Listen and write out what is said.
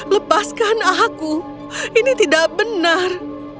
lepaskan ahaku ini tidak benar